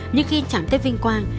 nhưng khi chẳng thấy vinh quang